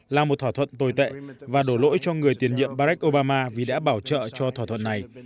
là một thỏa thuận tồi tệ và đổ lỗi cho người tiền nhiệm barack obama vì đã bảo trợ cho thỏa thuận này